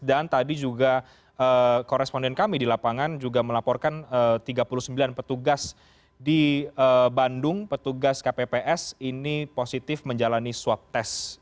dan tadi juga koresponden kami di lapangan juga melaporkan tiga puluh sembilan petugas di bandung petugas kpps ini positif menjalani swab test